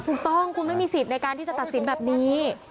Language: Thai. ถูกต้องคุณไม่มีสิทธิ์ในการที่จะตัดสินแบบนี้